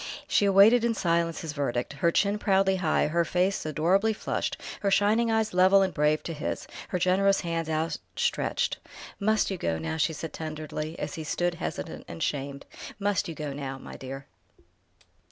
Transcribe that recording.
She awaited in silence his verdict, her chin proudly high, her face adorably flushed, her shining eyes level and brave to his, her generous hands outstretched. "Must you go now?" she said tenderly, as he stood hesitant and shamed. "Must you go now, my dear?"